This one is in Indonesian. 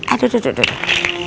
aduh duduk duduk